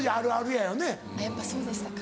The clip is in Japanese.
やっぱそうでしたか。